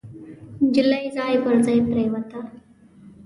نجلۍ ځای پر ځای پريوته.